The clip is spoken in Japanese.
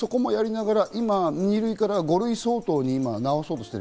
今、２類から５類相当に直そうとしてる。